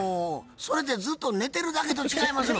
それってずっと寝てるだけと違いますの？